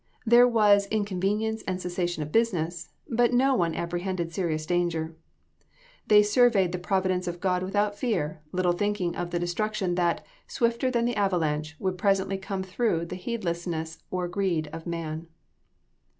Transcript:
There was inconvenience and cessation of business, but no one apprehended serious danger. They surveyed the providence of God without fear; little thinking of the destruction that, swifter than the avalanche, would presently come through the heedlessness or the greed of man.